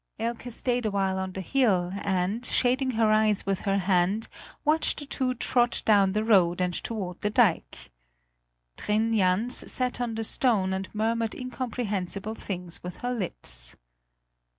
Elke stayed a while on the hill and, shading her eyes with her hand, watched the two trot down the road and toward the dike. Trin Jan sat on the stone and murmured incomprehensible things with her lips.